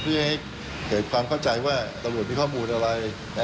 เพื่อให้เกิดความเข้าใจว่าตำรวจมีข้อมูลอะไร